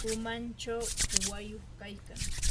umanchaw uwayuq kaykan.